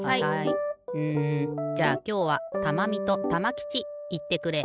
うんじゃあきょうはたまみとたまきちいってくれ。